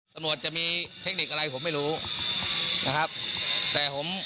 ตำรวจจะมีเทคนิคอะไรผมไม่รู้นะครับแต่ผม